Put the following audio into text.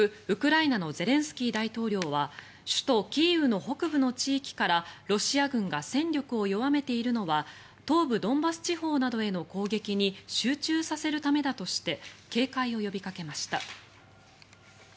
ウクライナのゼレンスキー大統領は首都キーウの北部の地域からロシア軍が戦力を弱めているのは東部ドンバス地方などへの攻撃に集中させるためだとして警戒を呼びかけました。